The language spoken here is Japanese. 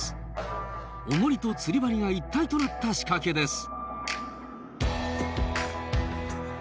おもりと釣り針が一体となった仕掛けです。